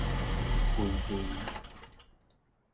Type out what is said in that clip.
規陣